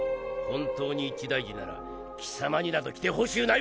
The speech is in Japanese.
本当に一大事ならきさまになど来てほしゅうないわ」